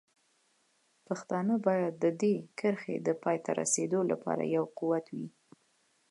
پښتانه باید د دې کرښې د پای ته رسولو لپاره یو قوت وي.